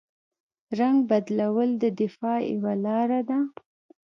رنګ بدلول د دفاع یوه لاره ده